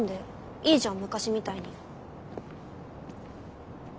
いいじゃん昔みたいに。